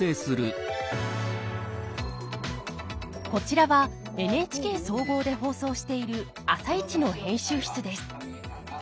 こちらはＮＨＫ総合で放送している「あさイチ」の編集室です。